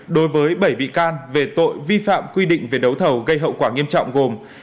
đối với bảy bị can về tội vi phạm quy định về đấu thầu gây hậu quả nghiêm trọng gồm